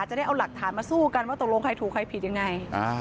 จะได้เอาหลักฐานมาสู้กันว่าตกลงใครถูกใครผิดยังไง